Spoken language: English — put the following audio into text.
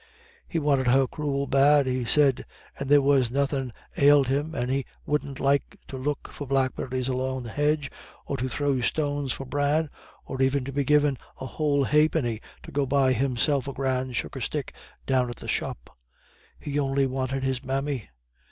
He wanted her cruel bad, he said, and there was nothin' ailed him, and he wouldn't like to look for blackberries along the hedge or to throw stones for Bran or even to be given a whole ha'penny to go buy himself a grand sugarstick down at the shop he only wanted his mammy.